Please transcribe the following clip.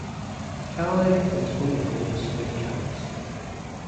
Calais is homophonous with "callous".